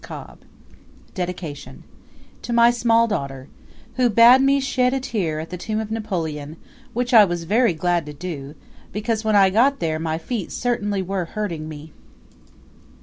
Cobb To My Small Daughter Who bade me shed a tear at the tomb of Napoleon, which I was very glad to do, because when I got there my feet certainly were hurting me.